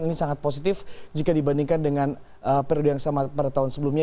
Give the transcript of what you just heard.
ini sangat positif jika dibandingkan dengan periode yang sama pada tahun sebelumnya